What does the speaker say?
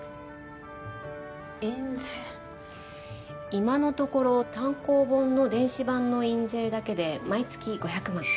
今のところ単行本の電子版の印税だけで毎月５００万。